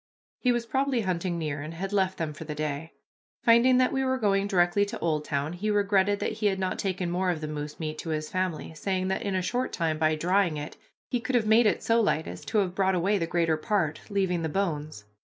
He was probably hunting near and had left them for the day. Finding that we were going directly to Oldtown, he regretted that he had not taken more of the moose meat to his family, saying that in a short time, by drying it, he could have made it so light as to have brought away the greater part, leaving the bones.